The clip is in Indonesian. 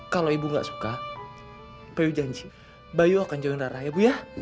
kalau ibu gak suka bayu janji bayu akan jalan rara ya bu ya